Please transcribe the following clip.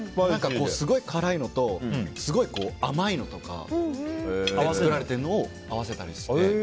すごい辛いのとすごい甘いのとかで作られてるのを合わせたりして。